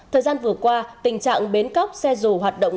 thời gian vừa qua tình trạng bến cóc xe dù hoạt động